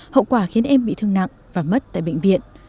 hậu quả khiến em bị thương nặng và mất tại bệnh viện